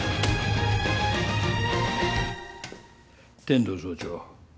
天堂総長